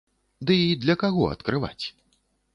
Ды і для каго адкрываць?